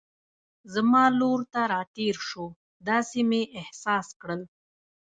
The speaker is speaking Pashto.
زما لور ته را تېر شو، داسې مې احساس کړل.